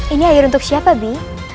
ini air untuk siapa by